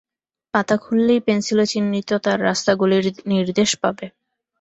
পাতা খুললেই পেনসিলে চিহ্নিত তার রাস্তা-গলির নির্দেশ পাবে।